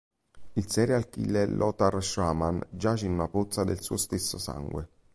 Il serial killer Lothar Schramm giace in una pozza del suo stesso sangue.